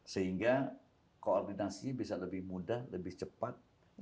sehingga koordinasinya bisa lebih mudah lebih cepat